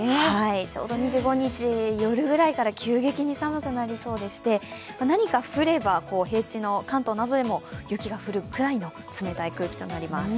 ちょうど２５日、夜ぐらいから急激に寒くなりそうでして何か降れば平地の関東などでも雪が降るくらいの冷たい空気となります。